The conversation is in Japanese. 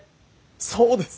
そうです！